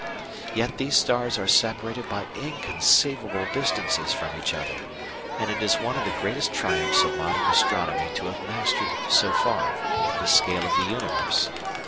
Yet these stars are separated by inconceivable distances from each other, and it is one of the greatest triumphs of modern astronomy to have mastered, so far, the scale of the universe.